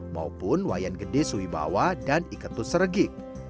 maupun wayan gede suwibawa dan iketut seregik